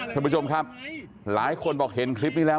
ท่านผู้ชมครับหลายคนบอกเห็นคลิปนี้แล้ว